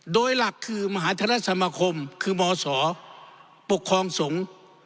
โดยหลักคือมหาธรรมคมคือบศปกครองสงฆ์